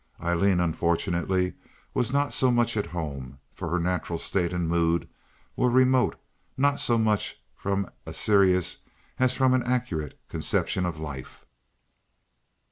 Aileen, unfortunately, was not so much at home, for her natural state and mood were remote not so much from a serious as from an accurate conception of life.